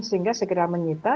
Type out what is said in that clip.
sehingga segera menyita